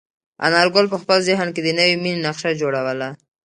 انارګل په خپل ذهن کې د نوې مېنې نقشه جوړوله.